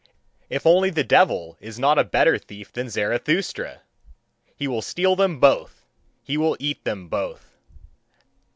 If only the devil is not a better thief than Zarathustra! he will steal them both, he will eat them both!"